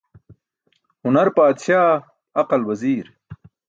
Hunar paadsaa, aqal waziir.